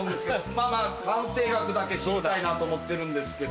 まぁまぁ鑑定額だけ知りたいなと思ってるんですけど。